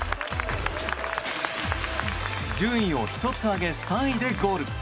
順位を１つ上げ、３位でゴール。